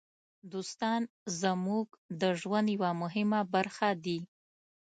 دوستان زموږ د ژوند یوه مهمه برخه دي.